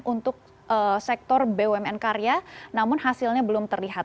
untuk sektor bumn karya namun hasilnya belum terlihat